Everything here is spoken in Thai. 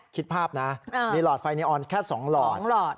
คิดภาพนะมีหลอดไฟนีออนแค่๒หลอด